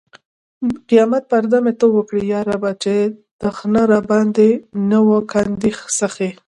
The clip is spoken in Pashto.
قیامت پرده مې ته اوکړې یا ربه! چې دښنه راباندې نه و کاندي سخې